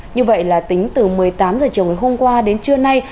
như vậy là tính từ một mươi tám h chiều ngày hôm qua đến trưa nay